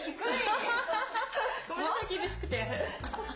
ごめんなさい、厳しくて。